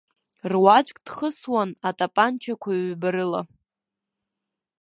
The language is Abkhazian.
Руаӡәк дхысуан атапанчақәа ҩба рыла.